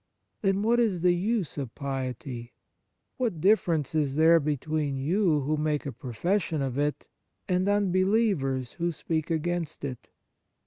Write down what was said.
Then, what is the use of piety ? What difference is there between you, who make a profession of it, and unbelievers, who speak against it